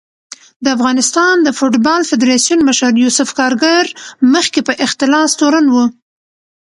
د افغانستان د فوټبال فدارسیون مشر یوسف کارګر مخکې په اختلاس تورن و